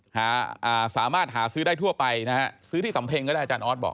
สามารถหาซื้อได้ทั่วไปนะฮะซื้อที่สำเพ็งก็ได้อาจารย์ออสบอก